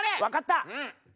分かった。